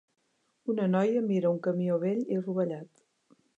Una noia mira un camió vell i rovellat.